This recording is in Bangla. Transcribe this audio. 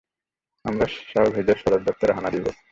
আমরা সাওভ্যাজের সদরদপ্তরে হানা দিব।